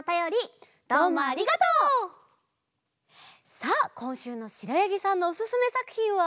さあこんしゅうのしろやぎさんのおすすめさくひんは。